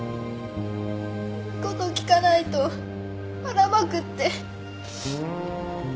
言うこと聞かないとばらまくって